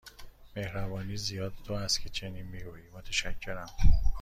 مهربانی زیاد تو است که چنین می گویی، متشکرم.